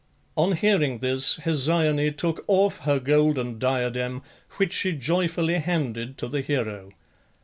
On hearing this Hesione took off her golden diadem, which she joyfully handed to the hero.